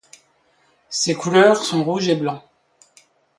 Ses couleurs sont rouge et blanc.